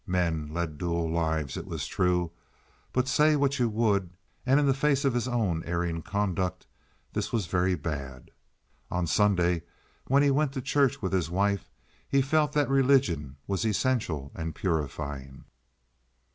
Men led dual lives, it was true; but say what you would, and in the face of his own erring conduct, this was very bad. On Sunday, when he went to church with his wife, he felt that religion was essential and purifying.